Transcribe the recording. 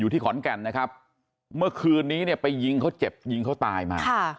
ที่ขอนแก่นนะครับเมื่อคืนนี้เนี่ยไปยิงเขาเจ็บยิงเขาตายมา